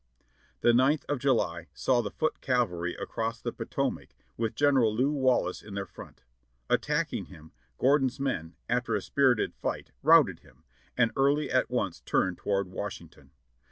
The ninth of July saw the "foot cavalry" across the Potomac with General Lew Wallace in their front. Attacking him, Gor don's men, after a spirited fight, routed him, and Early at once turned toward Washington.